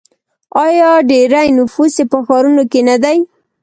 آیا ډیری نفوس یې په ښارونو کې نه دی؟